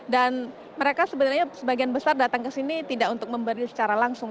dan mereka sebenarnya sebagian besar datang ke sini tidak untuk memberi secara langsung